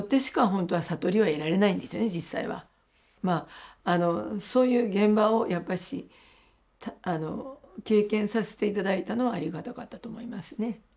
まあそういう現場をやっぱし経験させて頂いたのはありがたかったと思いますね。